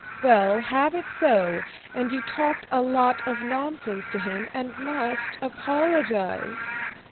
"Well, have it so, and you talked a lot of nonsense to him and must apologize."